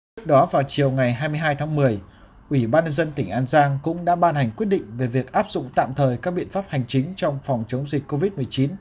trước đó vào chiều ngày hai mươi hai tháng một mươi ủy ban nhân dân tỉnh an giang cũng đã ban hành quyết định về việc áp dụng tạm thời các biện pháp hành chính trong phòng chống dịch covid một mươi chín